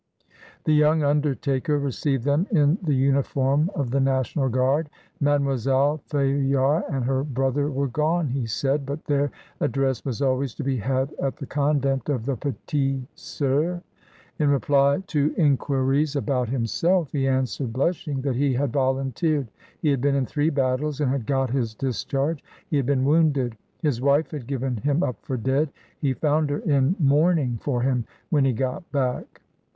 The young undertaker received them in the imi form of the National Guard. "Mademoiselle Fayard and her brother were gone," he said, "but their ad dress was always to be had at the convent of the Petiies SceursJ' In reply to inquiries about himself, he answered blushing, that he had volunteered. He had been in three battles, and had got his dis charge; he had been wounded. His wife had given him up for dead. He found her in mourning for him when he got back.